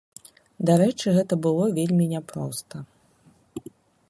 Дарэчы, гэта было вельмі няпроста.